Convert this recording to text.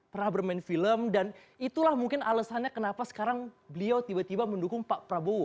pernah bermain film dan itulah mungkin alasannya kenapa sekarang beliau tiba tiba mendukung pak prabowo